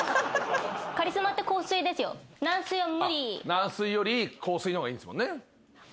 軟水より硬水の方がいいんですもんね？